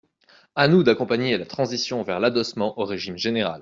À nous d’accompagner la transition vers l’adossement au régime général.